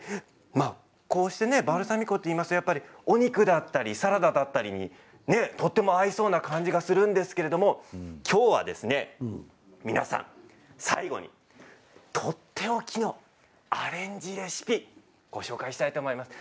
こうしたバルサミコといいますとお肉だったりサラダだったりとても合いそうな感じがするんですけれども今日は最後にとっておきのアレンジレシピご紹介したと思います。